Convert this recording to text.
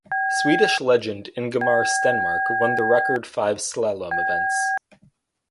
Swedish legend Ingemar Stenmark won the record five slalom events.